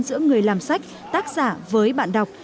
giữa người làm sách tác giả với bạn đọc